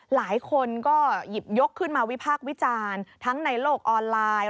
หลายคนก็หยิบยกขึ้นมาวิพากษ์วิจารณ์ทั้งในโลกออนไลน์